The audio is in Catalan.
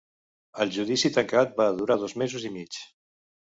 El judici tancat va durar dos mesos i mig.